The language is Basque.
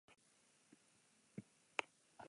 Zenbakian kokaturiko jauregi multzo barroko bat da.